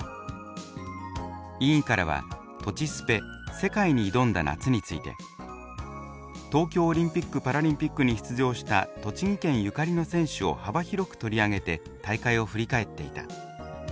委員からはとちスペ「世界に挑んだ夏」について「東京オリンピック・パラリンピックに出場した栃木県ゆかりの選手を幅広く取り上げて大会を振り返っていた。